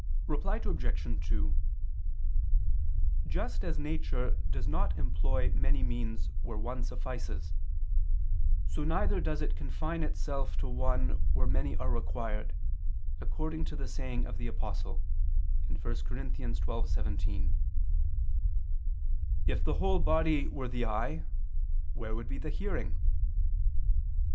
Reply Obj. 2: Just as nature does not employ many means where one suffices, so neither does it confine itself to one where many are required, according to the saying of the Apostle (1 Cor. 12:17), "If the whole body were the eye, where would be the hearing?"